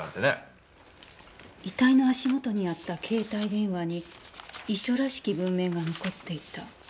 遺体の足元にあった携帯電話に遺書らしき文面が残っていた。